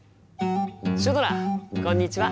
シュドラこんにちは！